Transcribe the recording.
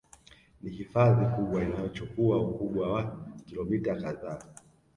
Ni hifadhi kubwa Inayochukua Ukubwa wa kilomita kadhaa